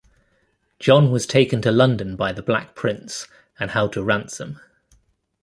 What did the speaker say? John was taken to London by the Black Prince and held to ransom.